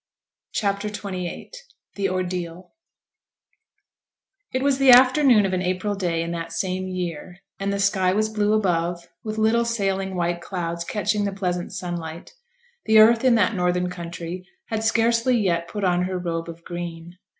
CHAPTER XXVIII THE ORDEAL It was the afternoon of an April day in that same year, and the sky was blue above, with little sailing white clouds catching the pleasant sunlight. The earth in that northern country had scarcely yet put on her robe of green.